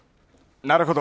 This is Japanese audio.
なるほど。